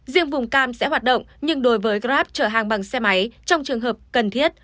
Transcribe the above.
riêng vùng cam sẽ hoạt động nhưng đối với grab chở hàng bằng xe máy trong trường hợp cần thiết